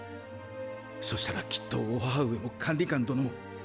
そしたらきっとお母上も管理官殿も苦しまずに。